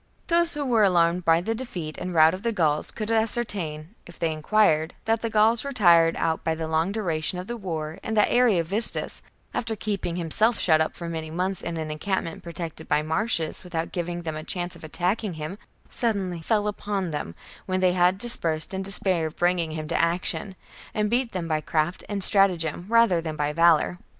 Those who were alarmed by the defeat and rout of the Gauls could ascertain, if they inquired, that the Gauls were tired out by the long duration of the war, and that Ariovistus, after keeping himself shut up for many months in an encamp ment protected by marshes without giving them a chance of attacking him, suddenly fell upon them when they had dispersed in despair of bringing him to action, and. beat them by craft and stratagem rather than by valour.